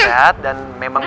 isi saya sehat sehat dan memang